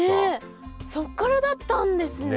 そっからだったんですね！